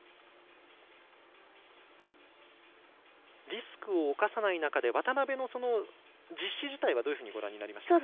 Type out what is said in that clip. リスクを冒さない中で渡部の実施自体はどういうふうにご覧になりましたか。